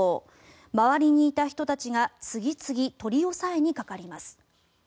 周りにいた人たちが次々、取り押さえにかかります。